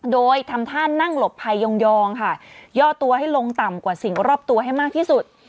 โดยทำท่านั่งหลบภัยยองค่ะย่อตัวให้ลงต่ำกว่าสิ่งรอบตัวให้มากที่สุด